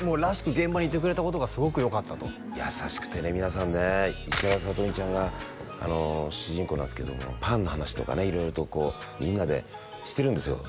「現場にいてくれたことがすごくよかった」と優しくてね皆さんね石原さとみちゃんが主人公なんですけどもパンの話とかね色々とこうみんなでしてるんですよ